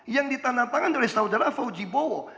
yang ditandatangan oleh saudara faujibowo